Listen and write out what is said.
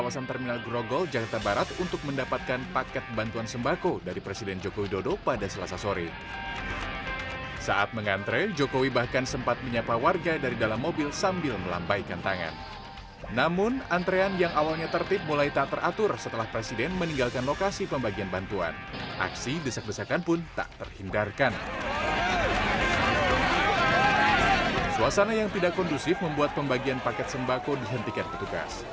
suasana yang tidak kondusif membuat pembagian paket sembako dihentikan petugas